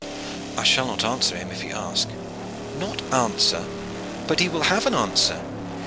"I shall not answer him if he ask." "Not answer! But he will have an answer.